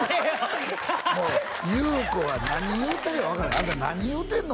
もう裕子が何言うてるか分からん「あんた何言うてんの？」